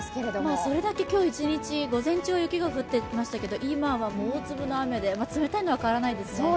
それだけ今日一日午前中は雪が降っていましたけれども、今は大粒の雨で冷たいのは変わらないですね。